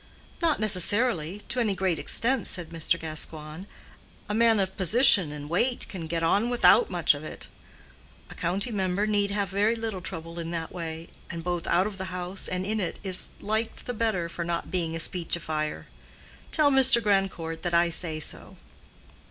"Not necessarily—to any great extent," said Mr. Gascoigne. "A man of position and weight can get on without much of it. A county member need have very little trouble in that way, and both out of the House and in it is liked the better for not being a speechifier. Tell Mr. Grandcourt that I say so."